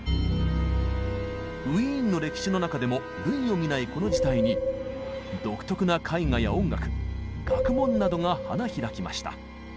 ウィーンの歴史の中でも類を見ないこの時代に独特な絵画や音楽学問などが花開きました。